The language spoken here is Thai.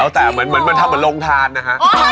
แต่เหมือนมันทำเหมือนโรงทานนะฮะ